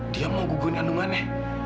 dia mau gugurkan kandungannya